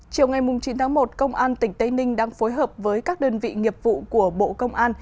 chiều ngày chín tháng một công an tỉnh tây ninh đang phối hợp với các đơn vị nghiệp vụ của bộ công an